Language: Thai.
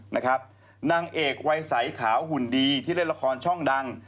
นางเอกวัยใสขาวหุ่นดีที่เล่นละครช่องดัง